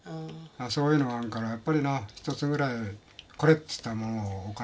そういうのがあるからやっぱりな一つぐらい「これ！」っていったものを置かないと。